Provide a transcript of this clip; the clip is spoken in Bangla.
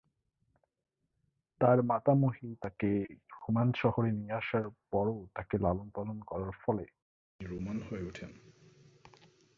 তার মাতামহী তাকে রোমান শহরে নিয়ে আসার পর ও তাকে লালন-পালন করার ফলে তিনি রোমান হয়ে ওঠেন।